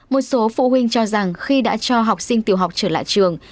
một số phụ huynh cho rằng khi đã cho học sinh tiểu học trở lại trường